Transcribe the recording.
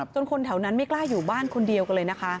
คนแถวนั้นไม่กล้าอยู่บ้านคนเดียวกันเลยนะคะ